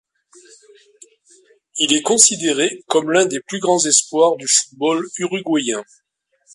Il est considéré comme l'un des plus grands espoirs du football uruguayen.